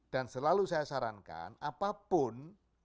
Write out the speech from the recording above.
dan selalu saya sarankan apapun